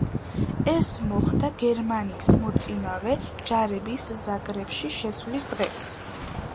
ეს მოხდა გერმანიის მოწინავე ჯარების ზაგრებში შესვლის დღეს.